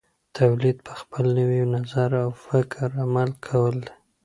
تولید په خپل نوي نظر او فکر عمل کول دي.